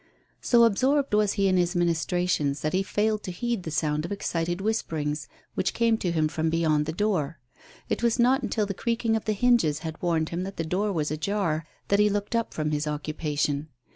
So absorbed was he in his ministrations that he failed to heed the sound of excited whisperings which came to him from beyond the door. It was not until the creaking of the hinges had warned him that the door was ajar, that he looked up from his occupation.